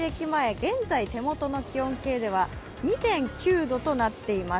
現在、手元の気温計では２．９度となっています。